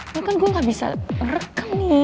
ya kan gue gak bisa rekam nih